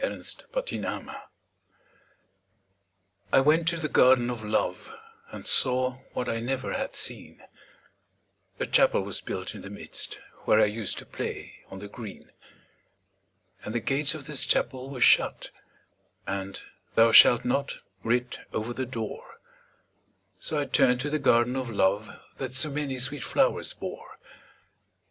THE GARDEN OF LOVE I went to the Garden of Love, And saw what I never had seen; A Chapel was built in the midst, Where I used to play on the green. And the gates of this Chapel were shut, And 'Thou shalt not' writ over the door; So I turned to the Garden of Love That so many sweet flowers bore.